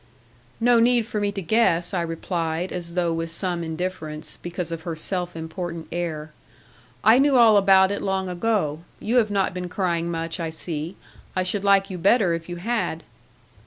'No need for me to guess,' I replied, as though with some indifference, because of her self important air; 'I knew all about it long ago. You have not been crying much, I see. I should like you better if you had.'